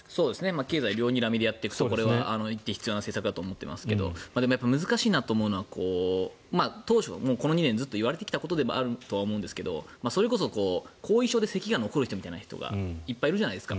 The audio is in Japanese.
経済両にらみでやっていくのは必要な政策だと思っていますけどでも難しいと思うのは当初、この２年ずっと言われてきたことでもあると思うんですがそれこそ後遺症でせきが残るみたいな人がいっぱいいるじゃないですか。